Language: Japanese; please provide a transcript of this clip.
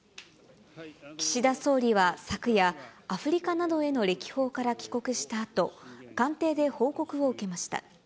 岸田総理は昨夜、アフリカなどへの歴訪から帰国したあと、官邸で報告を受けました。